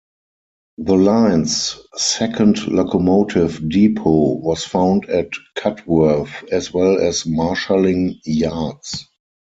The line's second locomotive depot was found at Cudworth, as well as marshalling yards.